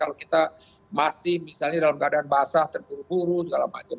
kalau kita masih misalnya dalam keadaan basah terburu buru segala macam